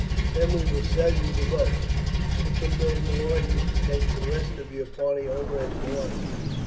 Then we will sell you the boats we can build more and you can take the rest of your party over as you like.